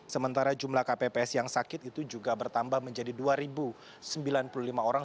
sementara jumlah kpps yang sakit itu juga bertambah menjadi dua sembilan puluh lima orang